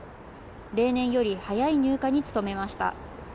例年より早い入荷に努めました。